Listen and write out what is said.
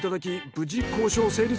無事交渉成立。